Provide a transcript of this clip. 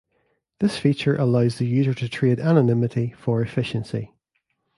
This feature allows the user to trade anonymity for efficiency.